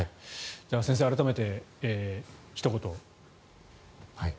先生、改めてひと言。